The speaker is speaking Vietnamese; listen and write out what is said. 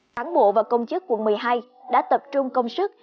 kháng bộ và công chức quận một mươi hai đã tập trung công sức